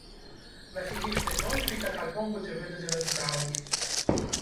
На фізічных носьбітах альбом будзе выдадзены ў траўні.